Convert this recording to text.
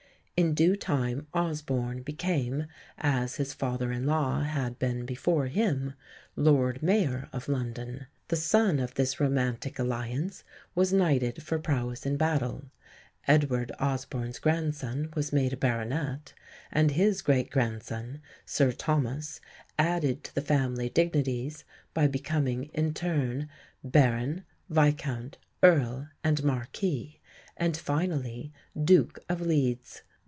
In due time Osborne became, as his father in law had been before him, Lord Mayor of London; the son of this romantic alliance was knighted for prowess in battle; Edward Osborne's grandson was made a Baronet; and his great grandson, Sir Thomas, added to the family dignities by becoming in turn, Baron, Viscount, Earl and Marquis, and, finally, Duke of Leeds.